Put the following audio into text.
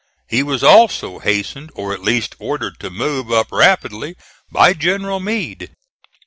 He was also hastened or at least ordered to move up rapidly by General Meade.